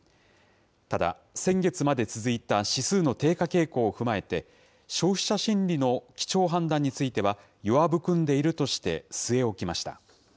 ただ、先月まで続いた指数の低下傾向を踏まえて、消費者心理の基調判断については、弱含んでいるとして、据え置きました。